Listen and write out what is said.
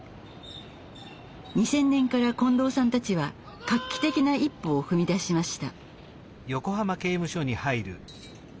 ２０００年から近藤さんたちは画期的な一歩を踏み出しました。